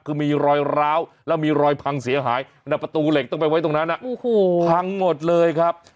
คือมีรอยร้าวแล้วมีรอยพังเสียหายอะผังหมดเลยครับ